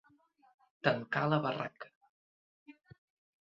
Tancar la barraca.